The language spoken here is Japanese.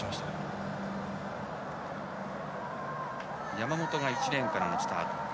山本が１レーンからのスタート。